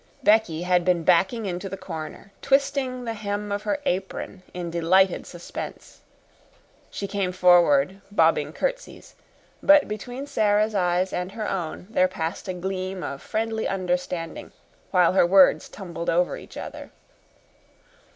Becky had been backing into the corner, twisting the hem of her apron in delighted suspense. She came forward, bobbing curtsies, but between Sara's eyes and her own there passed a gleam of friendly understanding, while her words tumbled over each other.